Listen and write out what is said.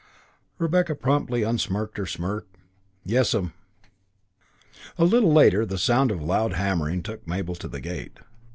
Rebecca promptly unsmirked her smirk. "Yes, m'm." A little later the sound of loud hammering took Mabel to the gate.